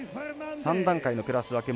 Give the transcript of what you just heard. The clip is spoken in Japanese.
３段階のクラス分け